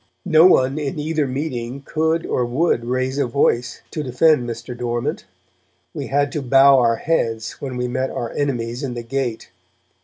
No one, in either meeting, could or would raise a voice to defend Mr. Dormant. We had to bow our heads when we met our enemies in the gate.